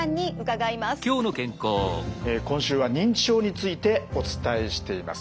今週は認知症についてお伝えしています。